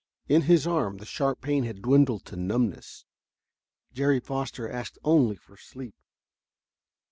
In his arm the sharp pain had dwindled to numbness; Jerry Foster asked only for sleep.